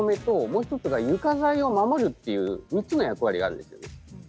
もう１つは床材を守るという３つの役割があるんです。